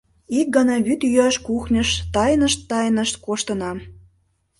Ик гана вӱд йӱаш кухньыш тайнышт-тайнышт коштынам.